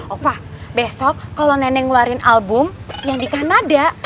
opa besok kalau neneng ngeluarin album yang di kanada